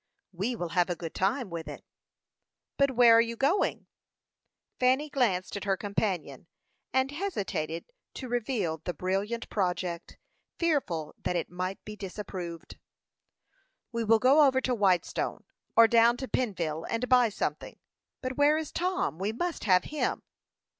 "We will have a good time with it." "But where are you going?" Fanny glanced at her companion, and hesitated to reveal the brilliant project, fearful that it might be disapproved. "We will go over to Whitestone, or down to Pennville, and buy something. But where is Tom? We must have him."